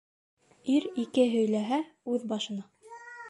Ир ике һөйләһә, үҙ башына.